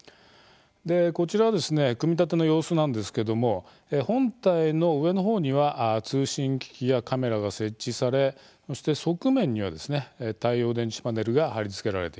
こちらはですね組み立ての様子なんですけども本体の上の方には通信機器やカメラが設置されそして側面には太陽電池パネルが貼り付けられています。